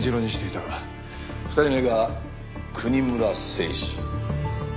２人目が国村誠司。